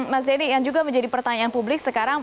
mas denny yang juga menjadi pertanyaan publik sekarang